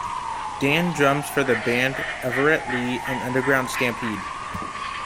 Dan drums for the band Everett Lee and Underground Stampede.